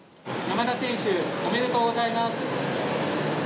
山田選手、おめでとうございます。